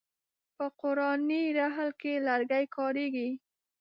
په قرآني رحل کې لرګی کاریږي.